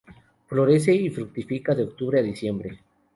Florece y fructifica de octubre a diciembre.